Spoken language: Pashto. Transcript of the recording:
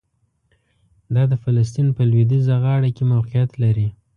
دا د فلسطین په لویدیځه غاړه کې موقعیت لري.